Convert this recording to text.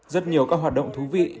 rất nhiều các hoạt động thú vị